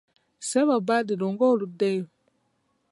Ssebo Badru ng'oluddeyo?